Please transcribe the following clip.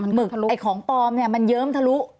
หมึกของปลอมมันเยิ้มทะรุ